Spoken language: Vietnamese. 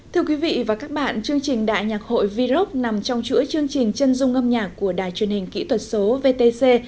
thưa quý vị và các bạn chương trình đại nhạc hội v rock nằm trong chuỗi chương trình chân dung âm nhạc của đài truyền hình kỹ thuật số vtc